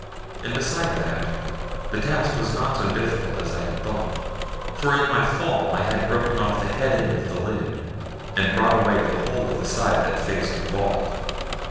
And beside that, the task was not so difficult as I had thought; for in my fall I had broken off the head end of the lid, and brought away the whole of that side that faced the vault.